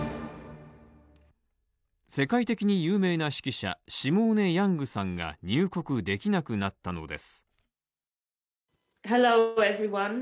世界的に有名な指揮者、シモーネ・ヤングさんが入国できなくなったのです。